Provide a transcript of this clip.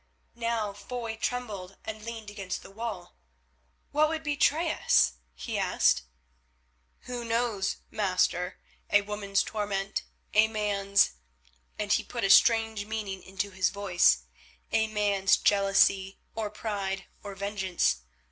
Now Foy trembled and leaned against the wall. "What would betray us?" he asked. "Who knows, master? A woman's torment, a man's—" and he put a strange meaning into his voice, "a man's—jealousy, or pride, or vengeance.